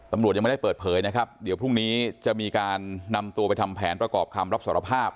ตำรวจยังไม่ได้เปิดเผยนะครับเดี๋ยวพรุ่งนี้จะมีการนำตัวไปทำแผนประกอบคำรับสารภาพ